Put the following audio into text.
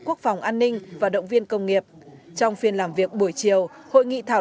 quốc phòng an ninh và động viên công nghiệp trong phiên làm việc buổi chiều hội nghị thảo